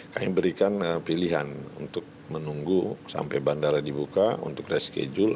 kami berikan pilihan untuk menunggu sampai bandara dibuka untuk reschedule